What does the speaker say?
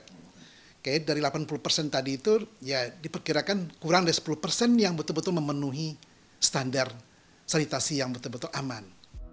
oke dari delapan puluh persen tadi itu ya diperkirakan kurang dari sepuluh persen yang betul betul memenuhi standar sanitasi yang betul betul aman